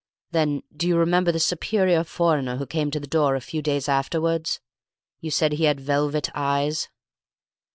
Then do you remember the superior foreigner who came to the door a few days afterwards? You said he had velvet eyes."